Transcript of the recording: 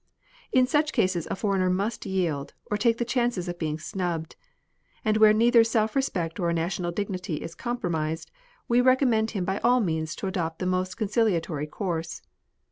In such cases a foreigner must yield, or take the chances of being snubbed ; and where neither self respect or national dignity is compromised, we recom mend him by all means to adopt the most conciliatory course.